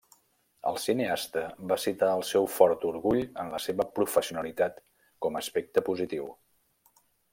El cineasta va citar el seu fort orgull en la seva professionalitat com aspecte positiu.